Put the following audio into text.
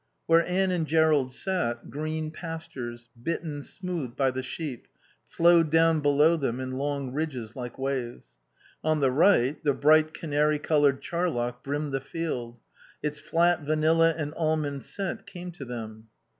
Where Anne and Jerrold sat, green pastures, bitten smooth by the sheep, flowed down below them in long ridges like waves. On the right the bright canary coloured charlock brimmed the field. Its flat, vanilla and almond scent came to them.